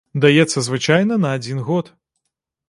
Даецца звычайна на адзін год.